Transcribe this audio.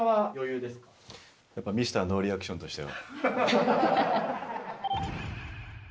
やっぱミスターノーリアクションとしては。